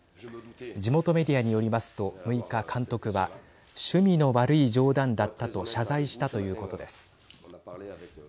地元メディアによりますと６日、監督は趣味の悪い冗談だったと謝罪したということです。